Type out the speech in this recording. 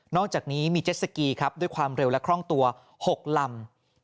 อกจากนี้มีเจ็ดสกีครับด้วยความเร็วและคล่องตัว๖ลำ